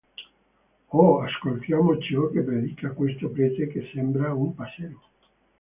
Oh, ascoltiamo ciò che predica questo prete che sembra un passero.